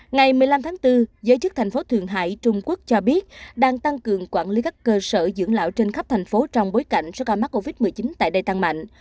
ngày một mươi năm tháng bốn giới chức thành phố thượng hải trung quốc cho biết đang tăng cường quản lý các cơ sở dưỡng lão trên khắp thành phố trong bối cảnh số ca mắc covid một mươi chín tại đây tăng mạnh